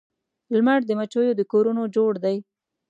لمر د مچېو د کورونو جوړ دی